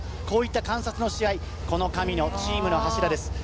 こういった観察の試合、この神野、チームの柱です。